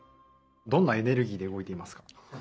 どんなエネルギ−でうごいていますか？